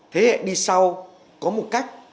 thế hệ đi sau có một cách